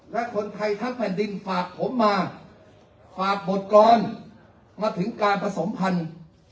และคนไทยทั้งแผ่นดินฝากผมมาฝากบทกรมาถึงการผสมพันธุ์